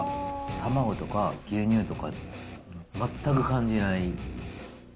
卵とか牛乳とか、全く感じない。